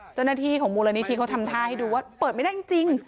เจ้าหน้าที่ของมูลนิธิเขาทำท่าให้ดูว่าเปิดไม่ได้จริง